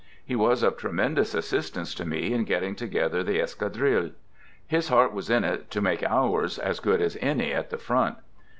He was of tre mendous assistance to me in getting together the Escadrille. His heart was in it to make ours as good as any at the front.